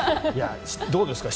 どうですか。